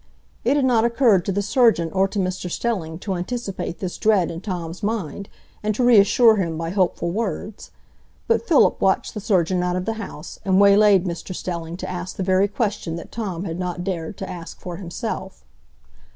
It had not occurred to the surgeon or to Mr Stelling to anticipate this dread in Tom's mind, and to reassure him by hopeful words. But Philip watched the surgeon out of the house, and waylaid Mr Stelling to ask the very question that Tom had not dared to ask for himself.